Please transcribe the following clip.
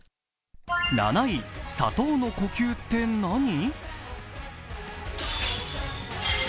７位、砂糖の呼吸って何？